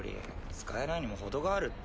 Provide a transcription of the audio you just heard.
使えないにも程があるって。